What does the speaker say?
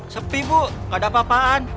sepi bu gak ada apa apaan